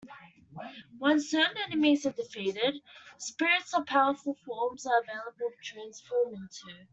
When certain enemies are defeated, spirits of powerful forms are available to transform into.